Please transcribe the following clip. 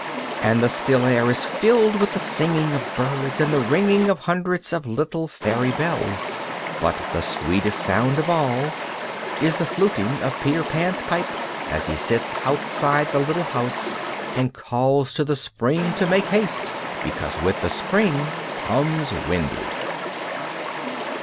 And the still air is filled with the singing of birds and the ringing of hundreds of little fairy bells. But the sweetest sound of all is the fluting of Peter Pan's pipe as he sits outside the little house and calls to the spring to make haste, because with the spring comes Wendy.